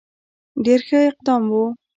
ډېر ښه اقدام وو.